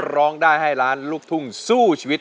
ร้องได้ให้ล้านลูกทุ่งสู้ชีวิต